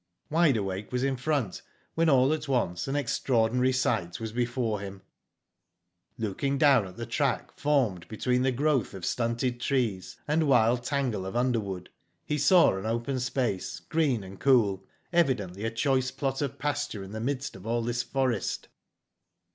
"Wide Awake was in front, when all at once an extraordinary sight was before him. " Looking down the track formed between the growth of stunted trees, and wild tangle of under wood, he saw an open space, green and cool, evidently a choice plot of pasture in the midst of all this forest.